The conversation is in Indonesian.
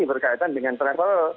berkaitan dengan travel